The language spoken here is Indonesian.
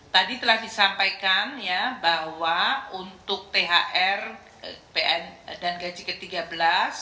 tadi telah disampaikan bahwa untuk thr dan gaji ke tiga belas